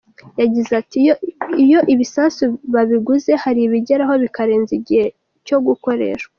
Yagize ati “Iyo ibisasu babiguze, hari ibigeraho bikarenza igihe cyo gukoreshwa.